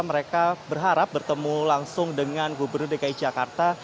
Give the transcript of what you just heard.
mereka berharap bertemu langsung dengan gubernur dki jakarta